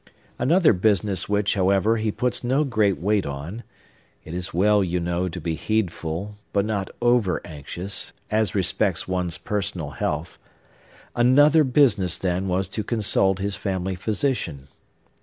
Another business, which, however, he puts no great weight on (it is well, you know, to be heedful, but not over anxious, as respects one's personal health),—another business, then, was to consult his family physician.